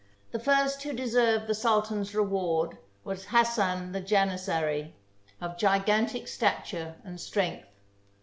The first who deserved the sultan's reward was Hassan the Janizary, of gigantic stature and strength.